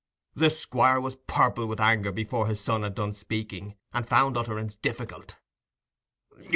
The Squire was purple with anger before his son had done speaking, and found utterance difficult.